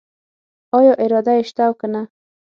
آیا اراده یې شته او کنه؟